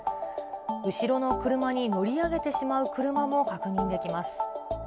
後ろの車に乗り上げてしまう車も確認できます。